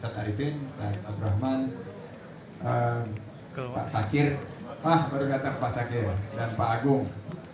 partikulah sakit ah udah kata fasake dan bagung